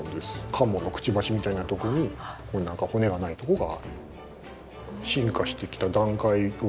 カモのくちばしみたいなところになんか骨がないとこがある。